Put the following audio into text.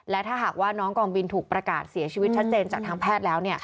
และถ้าหากว่าน้องกองบินถูกประกาศเสียชีวิตชัดเจนจากทางแพทย์แล้ว